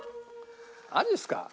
マジっすか。